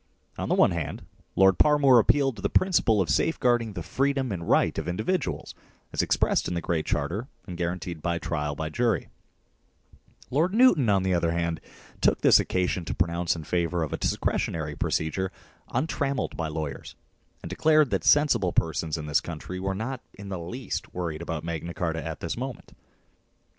On the one hand, Lord Parmoor appealed to the principle of safeguard ing the freedom and right of individuals as expressed in the Great Charter and guaranteed by trial by jury Lord Newton, on the other hand, took this occasion to pronounce in favour of a discretionary procedure untrammelled by lawyers, and declared that sensible persons in this country were not in the least worried about Magna Carta at this moment.